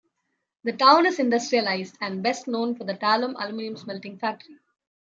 The town is industrialized and best known for the Talum aluminum-smelting factory.